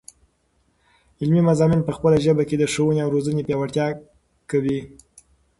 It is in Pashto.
علمي مضامین په خپله ژبه کې، د ښوونې او روزني پیاوړتیا قوي.